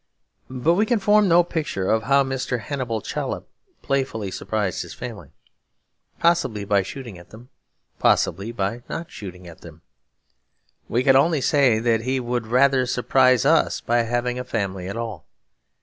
But we can form no picture of how Mr. Hannibal Chollop playfully surprised his family; possibly by shooting at them; possibly by not shooting at them. We can only say that he would rather surprise us by having a family at all.